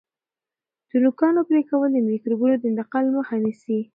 د نوکانو پرې کول د میکروبونو د انتقال مخه نیسي.